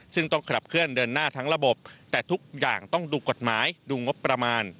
ซึ่งต้องขับเคลื่อนเดินหน้าทั้งระบบแต่ทุกอย่างต้องดูกฎหมายดูงบประมาณ